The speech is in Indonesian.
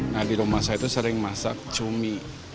nah di rumah saya itu sering masak cumi